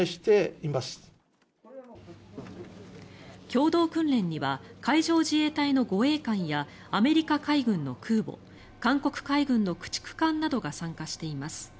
共同訓練には海上自衛隊の護衛艦やアメリカ海軍の空母韓国海軍の駆逐艦などが参加しています。